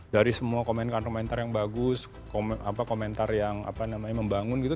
dari semua komentar komentar yang bagus komentar yang apa namanya membangun gitu